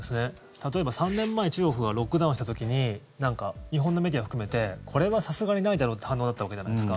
例えば３年前中国がロックダウンした時に日本のメディア含めてこれはさすがにないだろうって反応だったわけじゃないですか。